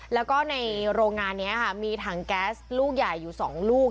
แล้วก็ในโรงงานนี้ค่ะมีถังแก๊สลูกใหญ่อยู่๒ลูก